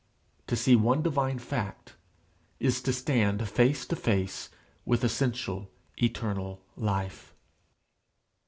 To see one divine fact is to stand face to face with essential eternal life.